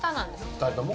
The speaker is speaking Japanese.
２人とも？